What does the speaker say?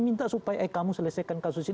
minta supaya kamu selesaikan kasus itu